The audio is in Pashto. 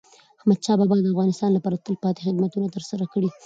احمدشاه بابا د افغانستان لپاره تلپاتي خدمتونه ترسره کړي دي.